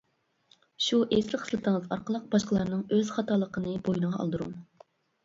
شۇ ئېسىل خىسلىتىڭىز ئارقىلىق باشقىلارنىڭ ئۆز خاتالىقىنى بوينىغا ئالدۇرۇڭ.